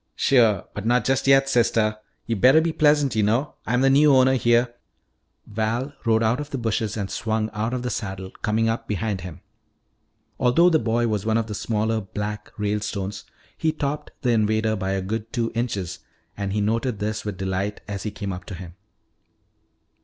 "Sure. But not just yet, sister. You better be pleasant, you know. I'm the new owner here " Val rode out of the bushes and swung out of the saddle, coming up behind him. Although the boy was one of the smaller "Black" Ralestones, he topped the invader by a good two inches, and he noted this with delight as he came up to him.